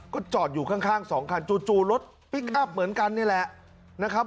ก็จอดอยู่ข้างสองคันจู่รถพลิกอัพเหมือนกันนี่แหละนะครับ